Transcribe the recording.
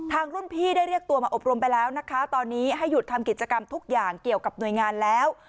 รุ่นพี่ได้เรียกตัวมาอบรมไปแล้วนะคะตอนนี้ให้หยุดทำกิจกรรมทุกอย่างเกี่ยวกับหน่วยงานแล้ว